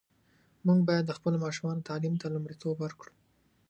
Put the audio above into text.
موږ باید د خپلو ماشومانو تعلیم ته لومړیتوب ورکړو.